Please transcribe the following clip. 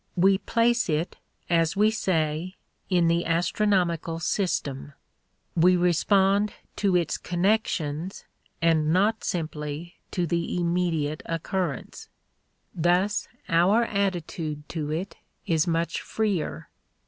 We place it, as we say, in the astronomical system. We respond to its connections and not simply to the immediate occurrence. Thus our attitude to it is much freer.